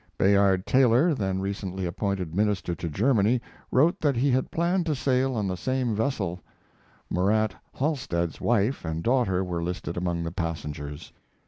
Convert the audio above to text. Bayard Taylor, then recently appointed Minister to Germany, wrote that he had planned to sail on the same vessel; Murat Halstead's wife and daughter were listed among the passengers.